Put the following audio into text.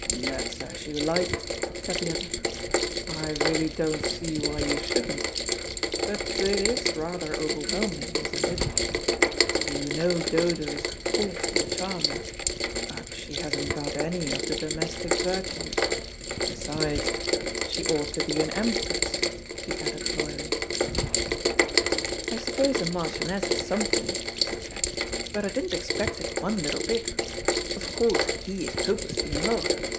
"That's as you like," said the other. "I really don't see why you shouldn't. But it is rather overwhelming, isn't it? You know Dodo is awfully charming, but she hasn't got any of the domestic virtues. Besides, she ought to be an empress," he added loyally. "I suppose a marchioness is something," said Jack. "But I didn't expect it one little bit. Of course he is hopelessly in love.